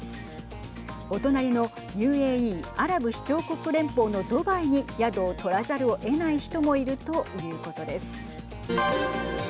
お隣のＵＡＥ＝アラブ首長国連邦のドバイに宿を取らざるをえない人もいるということです。